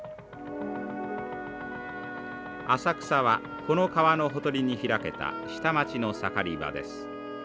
浅草はこの川のほとりに開けた下町の盛り場です。